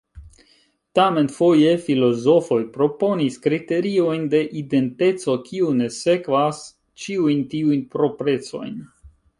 Tamen foje filozofoj proponis kriteriojn de identeco kiu ne sekvas ĉiujn tiujn proprecojn.